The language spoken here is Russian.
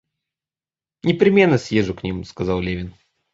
Непременно съезжу к ним, — сказал Левин.